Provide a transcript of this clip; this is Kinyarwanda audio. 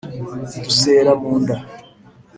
Dusera mu nda